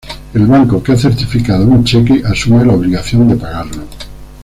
El Banco que ha certificado un cheque asume la obligación de pagarlo.